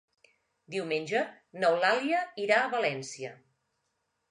Diumenge n'Eulàlia irà a València.